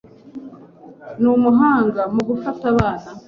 Ni umuhanga mu gufata abana.